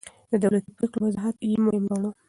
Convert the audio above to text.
د دولتي پرېکړو وضاحت يې مهم ګاڼه.